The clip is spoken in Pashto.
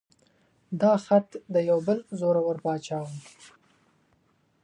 دا خط د یو بل زوره ور باچا و.